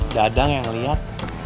dadang yang ngeliat